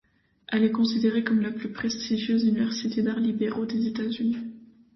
Elle est considérée comme la plus prestigieuse université d'arts libéraux des États-Unis.